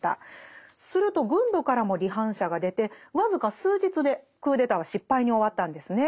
すると軍部からも離反者が出て僅か数日でクーデターは失敗に終わったんですね。